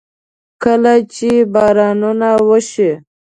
کله چې بارانونه وشي.